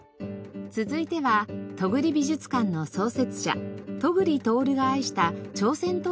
続いては戸栗美術館の創設者戸栗亨が愛した朝鮮陶磁の作品。